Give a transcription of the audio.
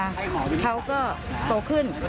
แม่ก็ให้โอกาสแม่